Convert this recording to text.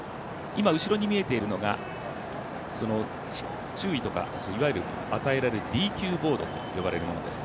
今後ろに見えているのが注意とかが与えられるＤＱボードと呼ばれるものです。